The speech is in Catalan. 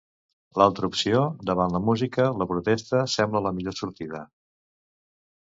L'altra opció davant el música, la protesta, sembla la millor sortida.